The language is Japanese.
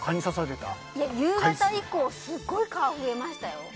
いや、夕方以降すごい増えましたよ。